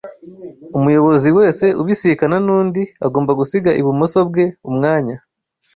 Umuyobozi wese ubisikana n'undi, agomba gusiga ibumoso bwe umwanya